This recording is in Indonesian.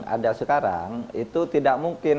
ada sekarang itu tidak mungkin